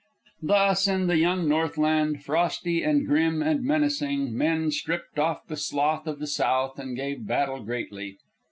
Thus, in the young Northland, frosty and grim and menacing, men stripped off the sloth of the south and gave battle greatly.